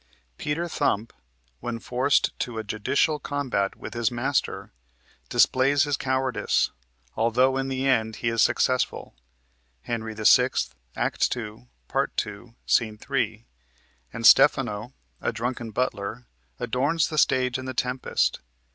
Peter Thump, when forced to a judicial combat with his master, displays his cowardice, altho in the end he is successful (Henry VI., Act 2, Part 2, Sc. 3), and Stephano, a drunken butler, adorns the stage in the "Tempest."